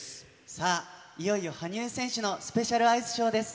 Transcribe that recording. さあ、いよいよ羽生選手のスペシャルアイスショーです。